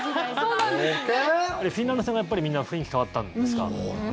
フィンランド戦がやっぱりみんな雰囲気変わったんですか？